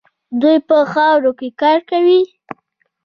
دوی په خاورو کې کار کوي.